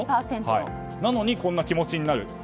なのにこんな気持ちになる。